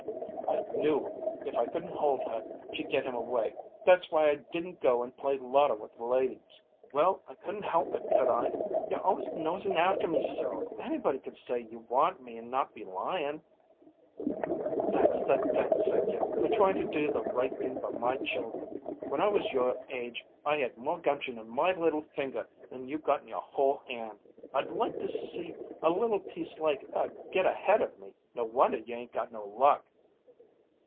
"I knew if I couldn't hold her she'd get him away. That's why I didn't go and play lotto with the ladies." "Well, I couldn't help it, could I? You're always nosin' after me so anybody could say you want me and not be lyin'." "That's the thanks I get for tryin' to do the right thing by my children. When I was your age I had more gumption in my little finger than you got in your whole hand! I'd like to see a little piece like her get ahead of me. No wonder you ain't got no luck!"